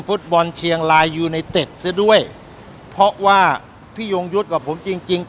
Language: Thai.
ฟุตบอลเชียงรายยูไนเต็ดซะด้วยเพราะว่าพี่ยงยุทธ์กับผมจริงจริง